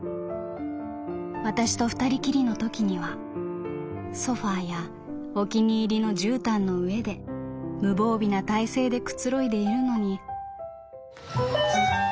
わたしと二人きりの時にはソファやお気に入りの絨毯の上で無防備な体勢でくつろいでいるのに」。